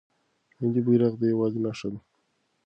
ملي بیرغ د یووالي نښه ده.